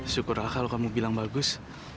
syukurlah kalau kamu bilang bagus